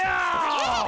えっ。